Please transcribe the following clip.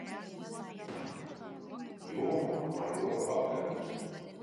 Jomas iela ir iela Jūrmalā, Majoru apkaimē.